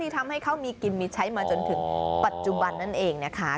ทำให้เขามีกินมีใช้มาจนถึงปัจจุบันนั่นเองนะคะ